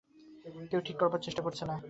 কেউ ঠিক করবার চেষ্টা করছে না।